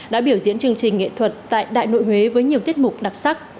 đã biểu diễn chương trình nghệ thuật tại đại nội huế với nhiều tiết mục đặc sắc